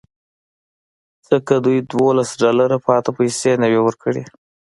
ځکه دوی دولس ډالره پاتې پیسې نه وې ورکړې